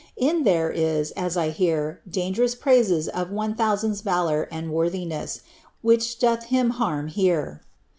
In it there is, as I hear, dangerous praises of his (1000*8) valour and worthiness, which doth him harm here.